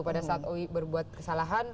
pada saat oi berbuat kesalahan